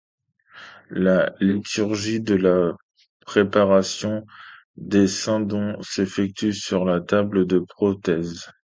La Liturgie de la Préparation des Saints Dons s'effectue sur la Table de prothèse.